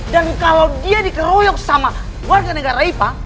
dan kalau dia dikeroyok sama warga negara ipa